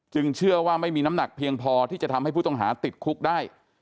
เชื่อว่าไม่มีน้ำหนักเพียงพอที่จะทำให้ผู้ต้องหาติดคุกได้